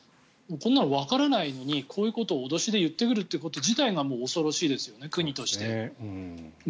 こんなのわからないのにこんなことを脅しとして言ってくるということ自体が恐ろしいですよね、国として。